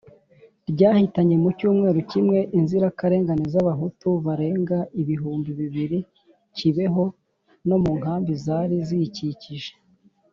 ryahitanye mu cyumweru kimwe inzirakarengane z'Abahutu barenga ibihumbi bibiri Kibeho no mu nkambi zari ziyikikije.